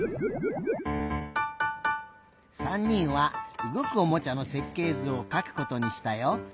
３にんはうごくおもちゃのせっけいずをかくことにしたよ。